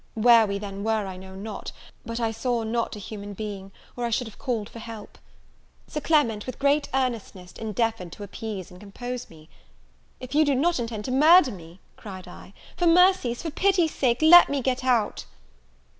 Where we then were, I know not; but I saw not a human being, or I should have called for help. Sir Clement, with great earnestness, endeavoured to appease and compose me: "If you do not intend to murder me," cried I, "for mercy's, for pity's sake, let me get out!"